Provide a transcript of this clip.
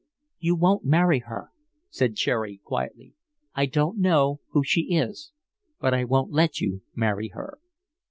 "You won't marry her," said Cherry, quietly. "I don't know who she is, but I won't let you marry her."